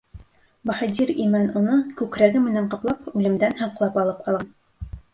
Баһадир имән уны, күкрәге менән ҡаплап, үлемдән һаҡлап алып ҡалған.